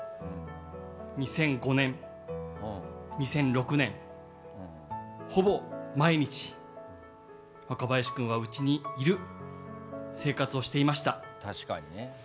２００５年、２００６年ほぼ毎日若林君はうちにいる生活をしていました。